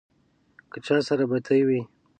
له چا سره بتۍ وې.